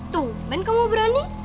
tuh ben kamu berani